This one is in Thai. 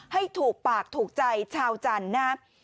ให้ถูกปากถูกใจชาวจันทบุรีนะ